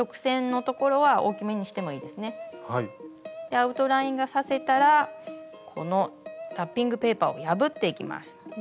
アウトラインが刺せたらこのラッピングペーパーを破っていきます。